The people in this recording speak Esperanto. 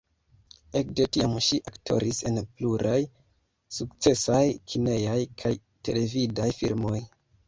Ekde tiam ŝi aktoris en pluraj sukcesaj kinejaj kaj televidaj filmoj.